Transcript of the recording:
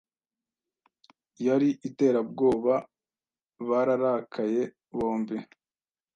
yari iterabwoba Bararakaye bombi